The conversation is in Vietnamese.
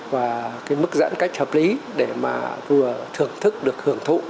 và cái mức giãn cách hợp lý để mà vừa thưởng thức được hưởng thụ